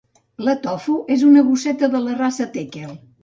La Tofu és una gosseta de la raça tekel